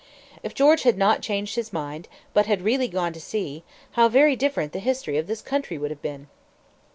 If George had not changed his mind, but had really gone to sea, how very different the history of this country would have been!